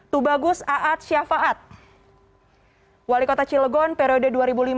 tubagus aad syafaat wali kota cilegon periode dua ribu lima belas dua ribu